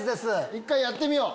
１回やってみよう。